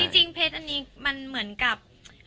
จริงเพชรอันนี้มันเหมือนกับ